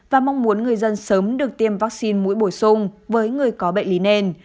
và mong muốn người dân sớm được tiêm vaccine mũi bổ sung với người có bệnh lý nền